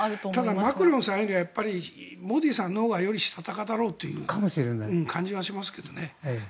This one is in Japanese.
ただマクロンさんよりはモディさんのほうがよりしたたかだろうという感じはしますけどね。